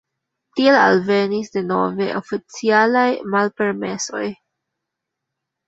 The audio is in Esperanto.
Tial alvenis denove oficialaj malpermesoj.